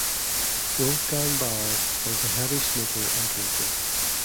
Wolfgang Bauer was a heavy smoker and drinker.